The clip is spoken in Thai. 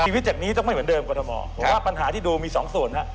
ทีวิจักรนี้ต้องไม่เหมือนเดิมกับกรทมเพราะว่าปัญหาที่ดูมี๒ศูนย์